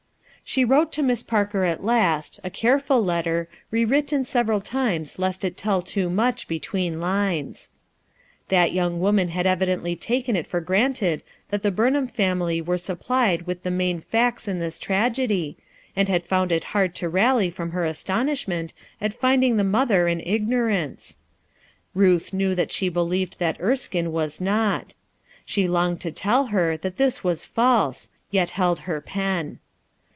She wrote to Miss Parker at last, a careful letter, re written several times lest it tell too much between lines, That young woman had evidently taken it for granted that the Burnham family were supplied with the main facts in this tragedy, and had found it hard to rally from her astonish ment at finding the mother in ignorance* Ruth knew that she believed that Erskine was not. She longed to tell her that this was false, yet held her pen.